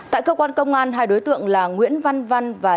tại cơ quan công an hai đối tượng là nguyễn văn văn và lê văn văn